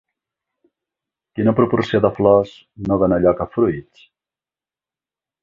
Quina proporció de flors no dona lloc a fruits?